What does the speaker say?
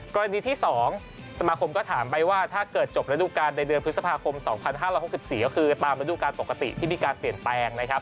กรณีที่๒สมาคมก็ถามไปว่าถ้าเกิดจบระดูการในเดือนพฤษภาคม๒๕๖๔ก็คือตามฤดูการปกติที่มีการเปลี่ยนแปลงนะครับ